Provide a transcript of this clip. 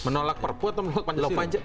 menolak perpu atau menolak panjang